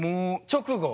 直後？